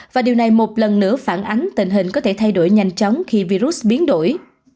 và điều này một lần nữa phản ánh tình hình có thể thay đổi nhanh chóng khi virus biến đổi